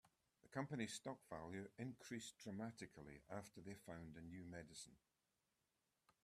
The company's stock value increased dramatically after they found a new medicine.